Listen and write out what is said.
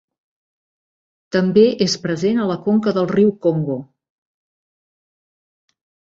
També és present a la conca del riu Congo.